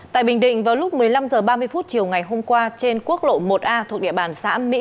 tại bình định vào lúc một mươi năm h ba mươi chiều ngày hôm qua trên quốc lộ một a thuộc địa bàn xã mỹ